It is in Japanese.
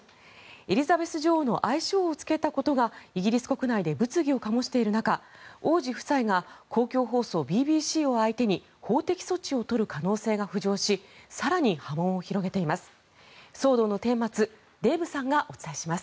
エリザベス女王の愛称をつけたことがイギリス国内で物議を醸している中王子夫妻が公共放送ＢＢＣを相手に法的措置を取る可能性が浮上し更に波紋を広げています。